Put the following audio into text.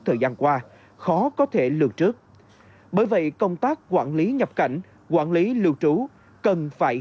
thời gian qua khó có thể lường trước bởi vậy công tác quản lý nhập cảnh quản lý lưu trú cần phải